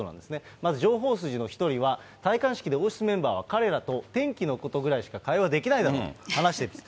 まず情報筋の一人は、戴冠式で王室メンバーは、彼らと天気のことぐらいしか会話できないだろうと話してるんです。